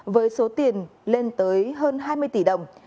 với số tiền lên tới hơn hai mươi tỷ đồng